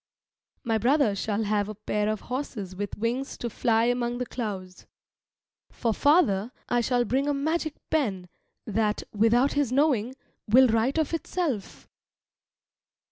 My brother shall have a pair of horses with wings to fly among the clouds. For father I shall bring a magic pen that, without his knowing, will write of itself.